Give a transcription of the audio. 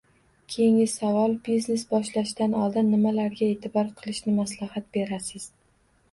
Keyingi savol – biznes boshlashdan oldin nimalarga eʼtibor qilishni maslahat berasiz?